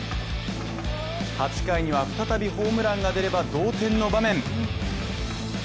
８回には再びホームランが出れば同点の場面。